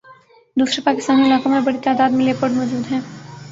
دوسرے پاکستانی علاقوں میں بڑی تعداد میں لیپرڈ موجود ہیں